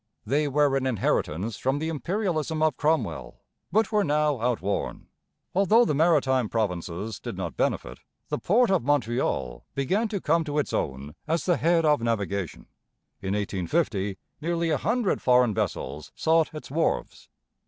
They were an inheritance from the imperialism of Cromwell, but were now outworn. Although the Maritime Provinces did not benefit, the port of Montreal began to come to its own, as the head of navigation. In 1850 nearly a hundred foreign vessels sought its wharves.